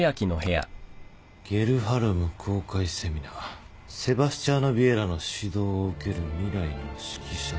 「ゲルハルム公開セミナー」「セバスチャーノ・ヴィエラの指導を受ける未来の指揮者たち」